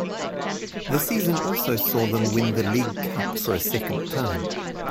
The season also saw them win the League Cup for a second time.